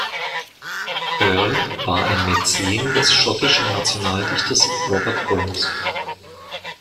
Earl war ein Mäzen des schottischen Nationaldichters Robert Burns.